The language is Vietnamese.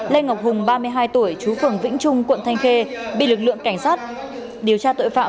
lê ngọc hùng ba mươi hai tuổi chú phường vĩnh trung quận thanh khê bị lực lượng cảnh sát điều tra tội phạm